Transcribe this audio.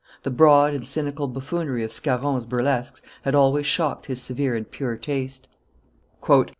The broad and cynical buffoonery of Scarron's burlesques had always shocked his severe and pure taste.